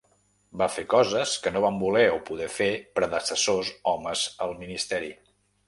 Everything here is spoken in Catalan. Va fer coses que no van voler o poder fer predecessors homes al ministeri.